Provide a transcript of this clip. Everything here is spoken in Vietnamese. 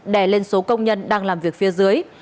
đè lên số công nhân đang làm việc phía dưới